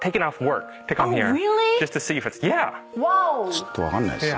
ちょっと分かんないっすね。